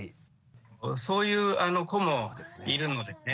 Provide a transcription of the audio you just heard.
そういう子もいるのでね。